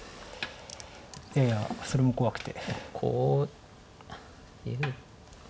いやいやそれも怖くて。